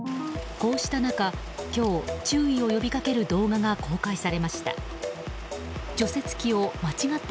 こうした中、今日注意を呼びかける動画が公開されました。